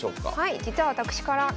実は私から何何？